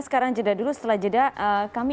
sekarang jeda dulu setelah jeda kami